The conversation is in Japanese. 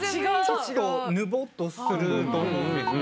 ちょっとヌボッとすると思うんですね。